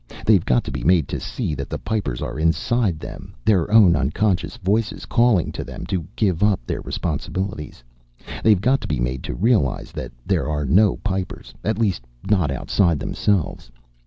They've got to be made to see that the Pipers are inside them, their own unconscious voices calling to them to give up their responsibilities. They've got to be made to realize that there are no Pipers, at least, not outside themselves.